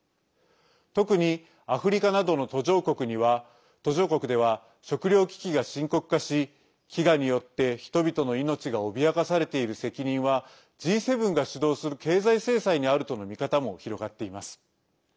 特に、アフリカなどの途上国では食糧危機が深刻化し飢餓によって人々の命が脅かされている責任はＧ７が主導する経済制裁にあるとの見方も広がっています。